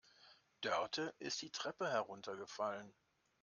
Dörte ist die Treppe heruntergefallen.